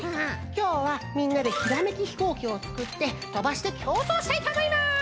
きょうはみんなでひらめきヒコーキをつくってとばしてきょうそうしたいとおもいます！